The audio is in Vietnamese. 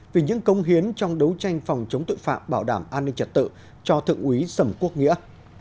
vì những công hiến trong đấu tranh phòng chống tội phạm bảo đảm an ninh trật tự cho thượng úy sầm quốc nghĩa